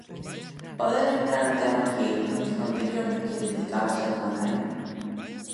Pode lembrar o tema que, no disco anterior, lle dedicabas a túa nai.